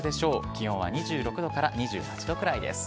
気温は２６度から２８度くらいです。